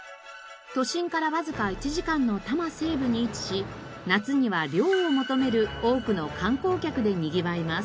都心からわずか１時間の多摩西部に位置し夏には涼を求める多くの観光客でにぎわいます。